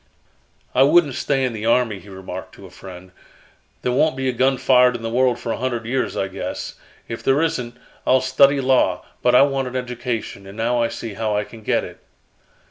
"I wouldn't stay in the army," he remarked to a friend. "There won't be a gun fired in the world for a hundred years, I guess. If there isn't, I'll study law, but I want an education, and now I see how I can get it."